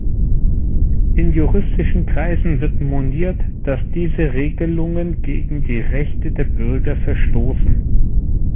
In juristischen Kreisen wird moniert, dass diese Regelungen gegen die Rechte der Bürger verstoßen.